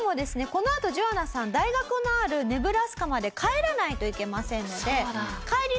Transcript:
このあとジョアナさん大学のあるネブラスカまで帰らないといけませんので。